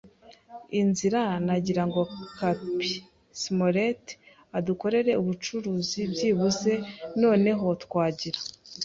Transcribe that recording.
inzira, Nagira ngo Cap'n Smollett adukorere mubucuruzi byibuze; noneho twagira